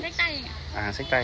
nó là dạng nguồn pha ý ạ nó để uống